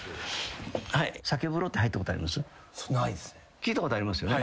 聞いたことありますよね。